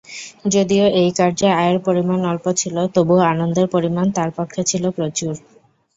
যদিও এই কার্যে আয়ের পরিমাণ অল্প ছিল তবুও আনন্দের পরিমাণ তাঁর পক্ষে ছিল প্রচুর।